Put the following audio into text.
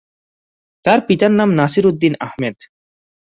তার পিতার নাম নাসির উদ্দিন আহমেদ।